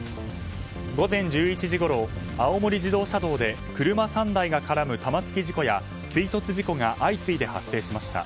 午前１１時ごろ、青森自動車道で車３台が絡む玉突き事故や追突事故が相次いで発生しました。